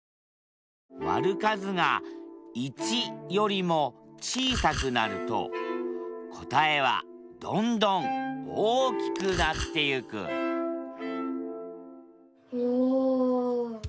割る数が１よりも小さくなると答えはどんどん大きくなってゆくおお！